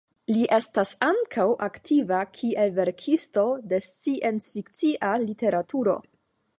Li estas ankaŭ aktiva kiel verkisto de sciencfikcia literaturo.